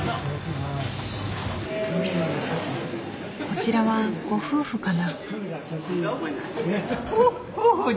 こちらはご夫婦かな？